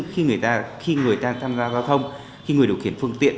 khi người tham gia giao thông khi người điều kiện phương tiện